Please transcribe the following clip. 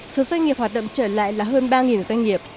số doanh nghiệp hoạt động trở lại là hơn ba doanh nghiệp